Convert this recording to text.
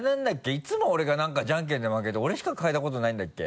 いつも俺が何かじゃんけんで負けて俺しか嗅いだことないんだっけ？